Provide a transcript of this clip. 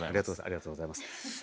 ありがとうございます。